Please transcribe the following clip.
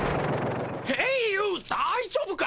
ヘイユーだいじょうぶか？